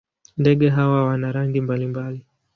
Ndege hawa wana rangi mbalimbali.